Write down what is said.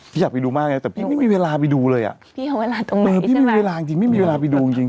พี่อยากไปดูมากเลยแต่พี่ไม่มีเวลาไปดูเลยไม่มีเวลาไปดูจริง